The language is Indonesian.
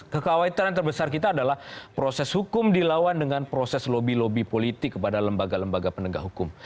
kekawaitan yang terbesar kita adalah proses hukum dilawan dengan proses lobi lobi politik kepada lembaga lembaga penegak hukum